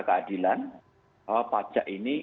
keadilan bahwa pajak ini